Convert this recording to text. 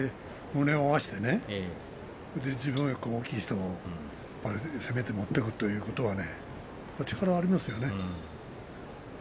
胸を合わせて自分より大きい人を攻めて持っていくということは力がありますよね。